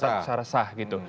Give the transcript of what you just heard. tidak ada yang sah gitu